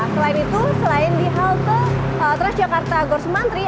selain itu selain di halte transjakarta gorse mantri